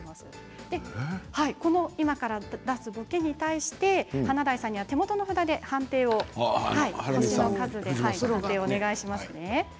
今から出す、ぼけに対して華大さんには手元の札で判定をお願いします。